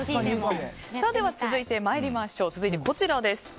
続いて、こちらです。